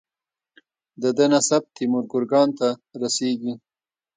د ده نسب تیمور ګورکان ته رسیږي.